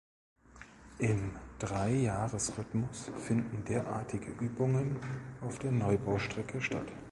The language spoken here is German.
Im Drei-Jahres-Rhythmus finden derartige Übungen auf der Neubaustrecke statt.